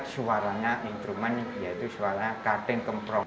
suaranya instrumennya yaitu suaranya karting kemplong